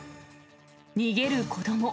逃げる子ども。